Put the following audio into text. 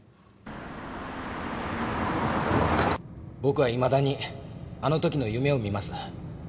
僕はいまだにあの時の夢を見ます。